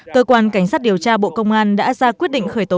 cơ quan cảnh sát điều tra bộ công an đã ra quyết định khởi tố